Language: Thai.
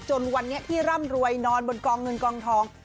จนวันนี้ที่ร่ำรวยนอนบนกองเงินกองทอง